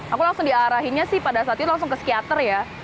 aku langsung diarahinnya sih pada saat itu langsung ke psikiater ya